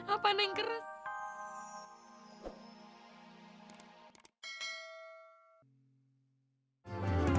apaan yang keras